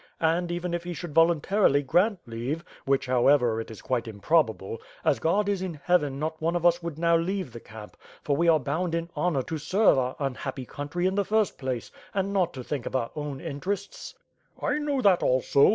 And, even if he should voluntarily grant leave — which however it quite improbable — ae God is in Heaven not one of us would now leave the camp, for we are bound in honor to serve our un happy country in the first place, and not to think of our own interests." "I know that also.